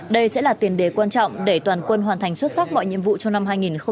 đây sẽ là tiền đề quan trọng để toàn quân hoàn thành xuất sắc mọi nhiệm vụ trong năm hai nghìn hai mươi